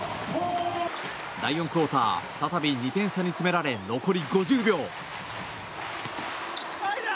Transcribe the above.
第４クオーター再び２点差に詰められ残り５０秒。